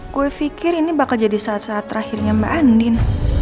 gue pikir ini bakal jadi saat saat terakhirnya mbak andin